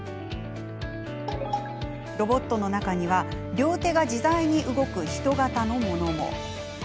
ロボットの中には両手が自在に動く人型のものも。